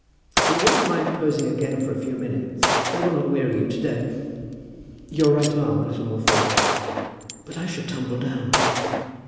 If you won't mind posing again for a few minutes I will not weary you to day. Your right arm a little more forward." "But I should tumble down."